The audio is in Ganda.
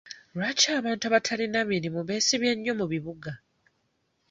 Lwaki abantu abatalina mirimu beesibye nnyo mu bibuga?